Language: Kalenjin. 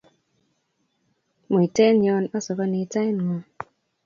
muiten yon osokoni tainng'ung